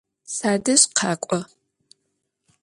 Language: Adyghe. Sadej khak'o!